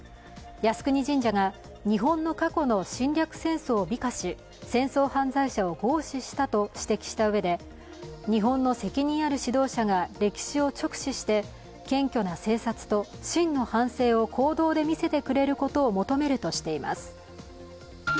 靖国神社が、日本の過去の侵略戦争を美化し戦争犯罪者を合祀したと指摘したうえで日本の責任ある指導者が歴史を直視して、謙虚な省察と、真の反省を行動で見せてくれることを求めるとしています。